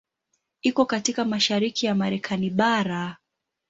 Iko katika mashariki ya Marekani bara.